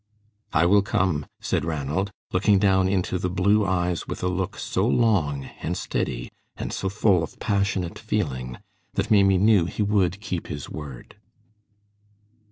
"I will come," said Ranald, looking down into the blue eyes with a look so long and steady and so full of passionate feeling that Maimie knew he would keep his word.